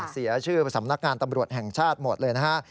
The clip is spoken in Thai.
เสียชื่อสำนักงานตำรวจแห่งชาติหมดเลยนะฮะ